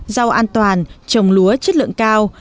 rau an toàn trồng lúa chất lượng cao